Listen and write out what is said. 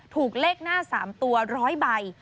ถูกเลขหน้า๓ตัว๑๐๐ใบ